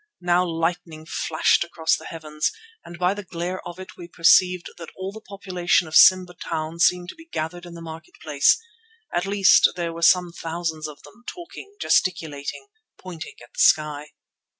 Now lightning flashed across the heavens, and by the glare of it we perceived that all the population of Simba Town seemed to be gathered in the market place. At least there were some thousands of them, talking, gesticulating, pointing at the sky.